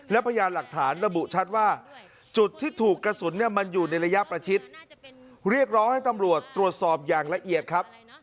และพยานหลักฐานระบุชัดว่าจุดที่ถูกกระสุนเนี่ยมันอยู่ในระยะประชิดเรียกร้องให้ตำรวจตรวจสอบอย่างละเอียดครับ